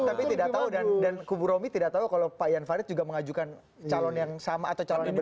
tapi tidak tahu dan kubu romi tidak tahu kalau pak jan farid juga mengajukan calon yang sama atau calon yang berbeda